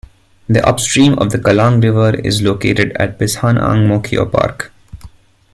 The upstream of the Kallang River is located at Bishan-Ang Mo Kio Park.